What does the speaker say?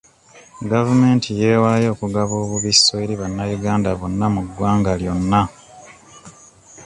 Gavumenti yeewaayo okugaba obubisso eri bannayuganda bonna mu ggwanga lyonna.